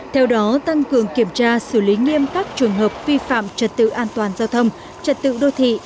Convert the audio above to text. theo đó tăng cường kiểm tra xử lý nghiêm các trường hợp vi phạm trật tự an toàn giao thông trật tự đô thị